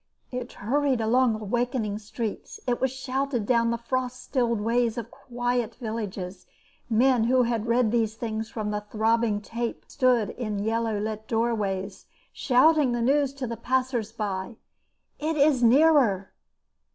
It hurried along awakening streets, it was shouted down the frost stilled ways of quiet villages, men who had read these things from the throbbing tape stood in yellow lit doorways shouting the news to the passers by. "It is nearer."